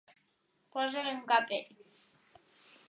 Posar-li un capell.